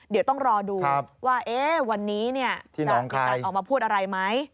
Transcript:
เดี๋ยวต้องรอดูว่าวันนี้จะมีการออกมาพูดอะไรไหม